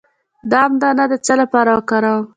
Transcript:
د ام دانه د څه لپاره وکاروم؟